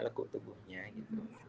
lekuk tubuhnya gitu